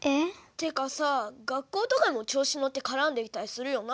てかさ学校とかでも調子のってからんできたりするよな？